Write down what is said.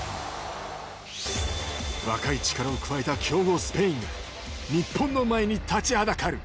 若い力を加えた強豪スペインが日本の前に立ちはだかる。